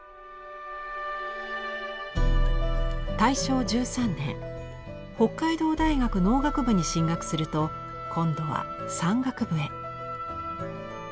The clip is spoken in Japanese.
大正１３年北海道大学農学部に進学すると今度は山岳部へ。